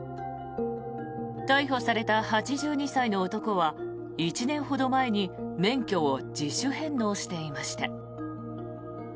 逮捕された８２歳の男は１年ほど前に免許を自主返納していました。